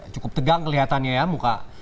cukup tegang kelihatannya ya muka